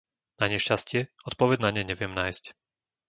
Nanešťastie odpoveď na ne neviem nájsť.